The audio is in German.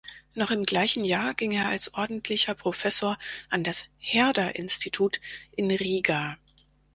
Noch im gleichen Jahr ging er als ordentlicher Professor an das "Herder-Institut" in Riga.